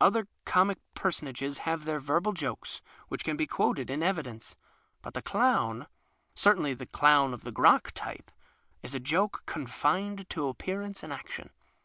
Other comic personages have their verbal jokes, which can be quoted in evidence, but the clown (certainly the clown of the Crock type) is a joke confined to appear ance and action.